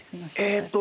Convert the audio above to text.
えっと